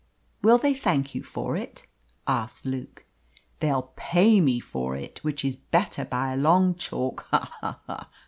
"Will they thank you for it?" asked Luke. "They'll pay me for it, which is better, by a long chalk! Ha, ha!